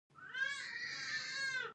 انګور د افغانستان د شنو سیمو ښکلا ده.